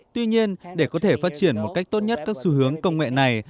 tuy nhiên để có thể phát triển một cách tốt nhất các xu hướng công nghệ này